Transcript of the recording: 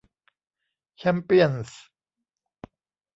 แชมเปี้ยนส์